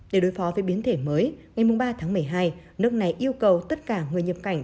để đối phó với biến thể mới ngày ba tháng một mươi hai nước này yêu cầu tất cả người nhập cảnh